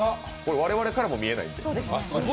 我々からも見えないです。